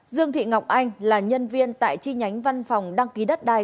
dương thị ngọc anh là nhân viên tại chi nhánh văn phòng đăng ký đất đai